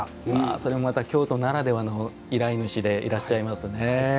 それもまた京都ならではの依頼主でいらっしゃいますね。